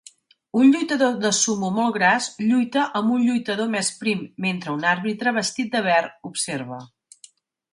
Un lluitador de sumo molt gras lluita amb un lluitador més prim mentre un àrbitre vestit de verd observa.